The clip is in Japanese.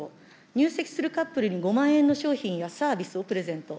入籍するカップルに５万円の商品やサービスをプレゼント。